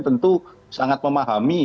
tentu sangat memahami